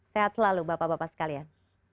sehat selalu bapak bapak sekalian